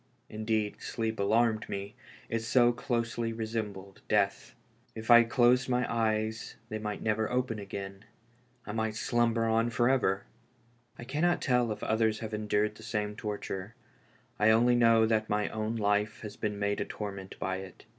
Indeed, sleep alarmed me, it so closely resembled death. If I closed my eyes they might never open again — I might slumber on forever I I cannot tell if others have endured the same torture; I only know that my own life has been made a torment by it.